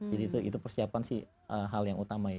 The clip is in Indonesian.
itu persiapan sih hal yang utama ya